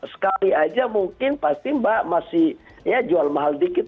sekali aja mungkin pasti mbak masih ya jual mahal dikit